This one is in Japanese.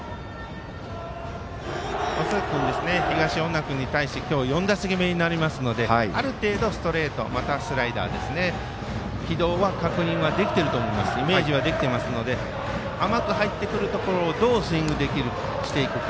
松崎君、東恩納君に対して今日４打席目になりますのである程度、ストレートまたは、スライダーの軌道の確認、イメージはできていると思いますので甘く入ってくるところをどうスイングしていくか。